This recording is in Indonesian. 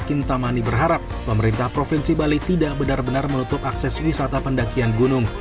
tinta mani berharap pemerintah provinsi bali tidak benar benar melutup akses wisata pendakian gunung